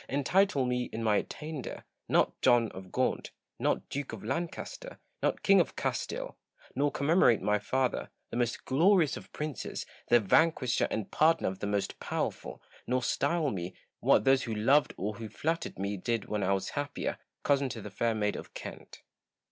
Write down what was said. Entitle me, in my attainder, not John of Gaunt, not Duke of Lancaster, not King of Castile ; nor commemorate my father, the most glorious of princes, the vanquisher and pardoner of the most powerful ; nor style me, what those who loved or who flattered me did when I was happier, cousin to the Fair Maid of Kent.